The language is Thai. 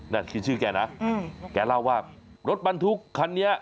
นั่นคือชื่อแกนะแกเล่าว่ารถบรรทุกคันนี้